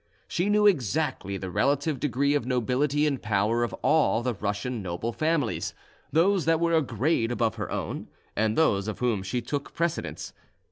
She knew exactly the relative degree of nobility and power of all the Russian noble families—those that were a grade above her own, and those of whom she took precedence.